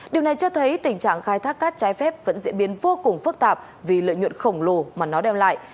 điều này cho thấy tình trạng khai thác cát trái phép vẫn diễn biến vô cùng phức tạp vì lợi nhuận khổng lồ mà nó đem lại